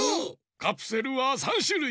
カプセルは３しゅるい。